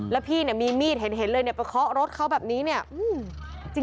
แล้วพี่มีมีดเห็นเลยไปเคาะรถเขาแบบนี้